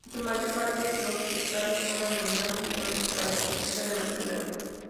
En su mayor parte los enclaves fueron eliminados simplemente por la dificultad de mantenerlos.